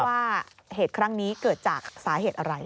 ว่าเหตุครั้งนี้เกิดจากสาเหตุอะไร